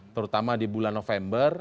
terutama di bulan november